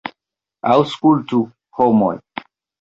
Aŭskultu, homoj!